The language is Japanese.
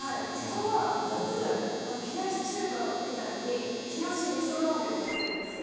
そこは夏冷やし中華みたいに冷やし味噌ラーメンを出してるんですよ。